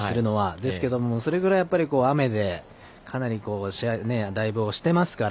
ですけど、それぐらい雨でかなり試合だいぶ押してますから。